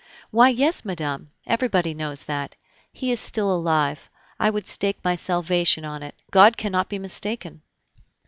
"Why, yes, madame! everybody knows that. He is still alive; I would stake my salvation on it; God cannot be mistaken."